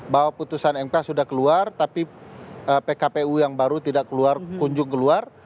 bahwa putusan mk sudah keluar tapi pkpu yang baru tidak keluar kunjung keluar